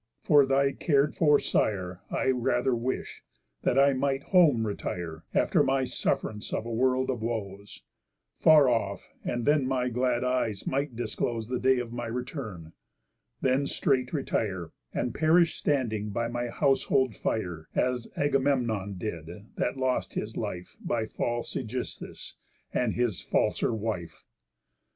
For thy car'd for sire, I rather wish, that I might home retire, After my suff'rance of a world of woes, Far off, and then my glad eyes might disclose The day of my return, then straight retire, And perish standing by my household fire; As Agamemnon did, that lost his life By false Ægisthus, and his falser wife.